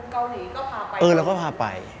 เขาชอบผมเกาหลีก็พาไป